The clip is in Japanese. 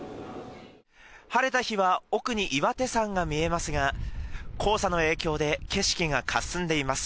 晴れた日は奥に岩手山が見えますが黄砂の影響で景色がかすんでいます。